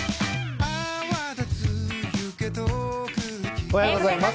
おはようございます。